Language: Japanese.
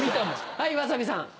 はいわさびさん。